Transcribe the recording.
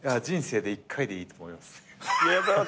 人生で一回でいいと思います。